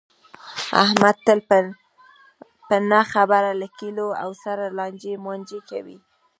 احمد تل په نه خبره له کلیواو سره لانجې مانجې کوي.